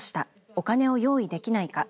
お金を用意できないか。